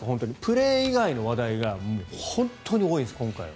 プレー以外の話題が本当に多いんです、今回は。